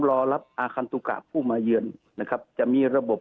รอรับอาคันตุกะผู้มาเยือนนะครับจะมีระบบ